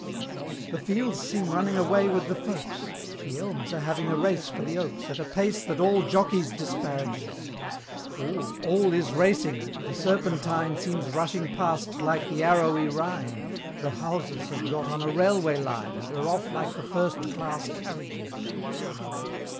The fields seem running away with the folks! The Elms are having a race for the Oaks At a pace that all Jockeys disparages! All, all is racing! the Serpentine Seems rushing past like the "arrowy Rhine," The houses have got on a railway line, And are off like the first class carriages!